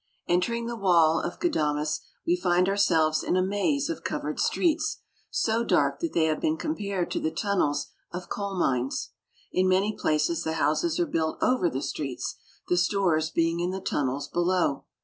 Entering the wall of Ghadames, we find ourselves in a : of covered streets, so dark that they have been com |}ared to the tunnels of coal mines. In many places the pbouses are built over the streets, the stores being in the ninnels below.